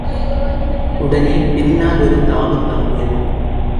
உடனே, பின்னால் ஒரு தாவுத் தாவியது.